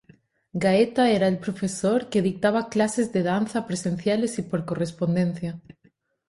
Gaeta era el profesor que dictaba clases de danza presenciales y por correspondencia.